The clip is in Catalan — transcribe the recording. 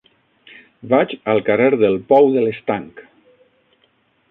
Vaig al carrer del Pou de l'Estanc.